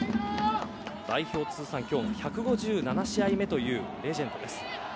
代表通算１５７試合目というレジェンドです。